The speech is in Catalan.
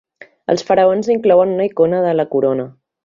Els faraons inclouen una icona de la corona.